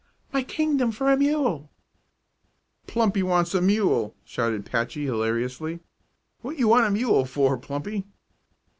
my kingdom for a mule!" "Plumpy wants a mule!" shouted Patchy, hilariously. "What you want a mule for, Plumpy?"